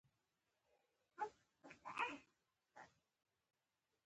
نوموړي حتی ویډیوګانې هم اخیستې وې.